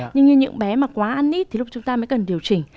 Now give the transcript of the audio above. nhưng như những bé mà quá ăn ít thì lúc chúng ta mới cần điều chỉnh